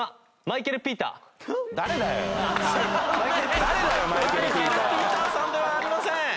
マイケル・ピーターさんではありません。